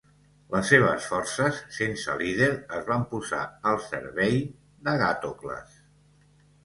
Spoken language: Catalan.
Les seves forces, sense líder, es van posar al servei d'Agàtocles.